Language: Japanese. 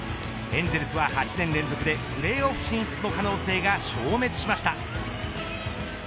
エンゼルスは８年連続でプレーオフ進出の可能性が消滅しました。